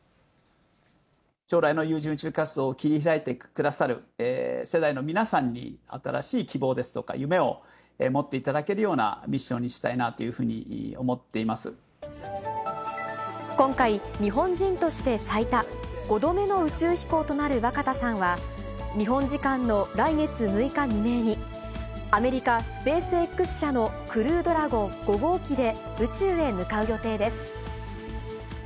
将来の有人宇宙活動を切り開いてくださる世代の皆さんに、新しい希望ですとか夢を持っていただけるようなミッションにした今回、日本人として最多、５度目の宇宙飛行となる若田さんは、日本時間の来月６日未明に、アメリカ、スペースＸ社のクルードラゴン５号機で、宇宙へ向かう予定です。